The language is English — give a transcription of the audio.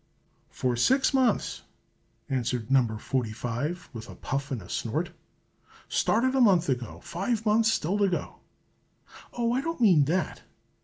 "For six months," answered No. 45 with a puff and a snort. "Started a month ago; five months still to go." "Oh, I don't mean that!"